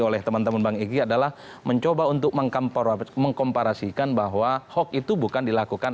oleh teman teman bang egy adalah mencoba untuk mengkomparasikan bahwa hoax itu bukan dilakukan